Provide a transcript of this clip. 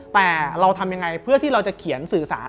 แต่เราทำยังไงเพื่อที่เราจะเขียนสื่อสาร